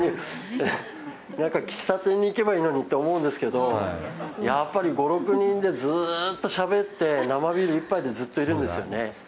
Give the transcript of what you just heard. なんか喫茶店に行けばいいのにって思うんですけど、やっぱり５、６人でずっとしゃべって、生ビール１杯でずっといるんですよね。